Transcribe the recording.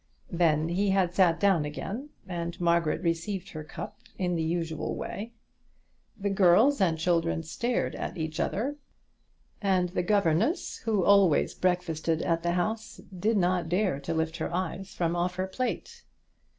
Then he had sat down, and Margaret received her cup in the usual way. The girls and children stared at each other, and the governess, who always breakfasted at the house, did not dare to lift her eyes from off her plate.